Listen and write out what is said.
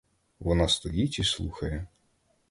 Вона стоїть і слухає.